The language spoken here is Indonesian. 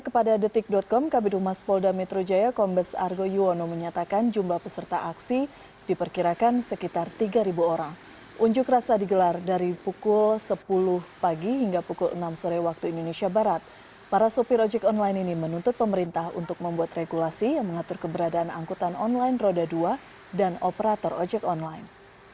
pada waktu indonesia barat para sopir ojek online ini menuntut pemerintah untuk membuat regulasi yang mengatur keberadaan angkutan online roda dua dan operator ojek online